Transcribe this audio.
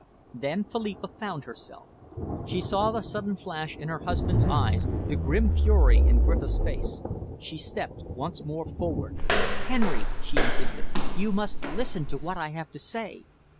Then Philippa found herself. She saw the sudden flash in her husband's eyes, the grim fury in Griffiths' face. She stepped once more forward. "Henry," she insisted, "you must listen to what I have to say."